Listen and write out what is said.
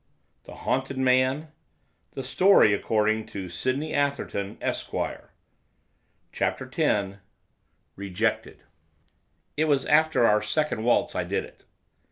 The Haunted Man The Story according to Sydney Atherton, Esquire CHAPTER X. REJECTED It was after our second waltz I did it.